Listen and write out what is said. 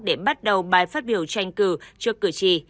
để bắt đầu bài phát biểu tranh cử trước cử tri